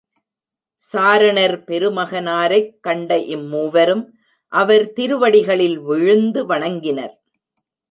சாரணர் பெருமகனாரைக் கண்ட இம்மூவரும் அவர் திருவடிகளில் விழுந்து வணங்கினர்.